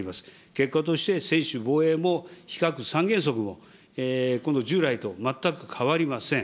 結果として専守防衛も非核三原則も、この従来と全く変わりありません。